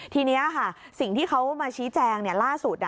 ทีนี้ค่ะสิ่งที่เขามาชี้แจงล่าสุด